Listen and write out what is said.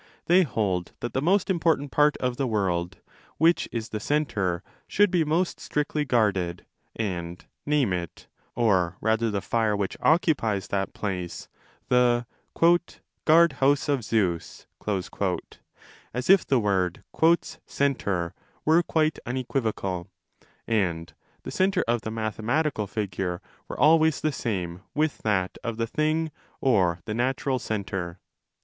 They hold that the most important part of the world, which is the centre, should be most strictly guarded, and name it, or rather the fire which occupies that place, the ' Guard house of Zeus', as if the word 'centre' were quite unequivocal, 5 and the centre of the mathematical figure were always the same with that of the thing or the natural centre.